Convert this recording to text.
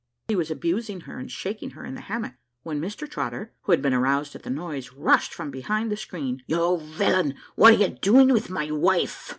He was abusing her and shaking her in the hammock, when Mr Trotter, who had been aroused at the noise, rushed from behind the screen. "You villain! what are you doing with my wife?"